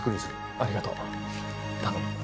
ありがとう頼む。